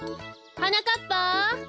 ・はなかっぱ！